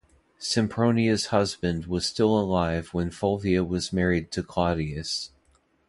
Sempronia's husband was still alive when Fulvia was married to Clodius.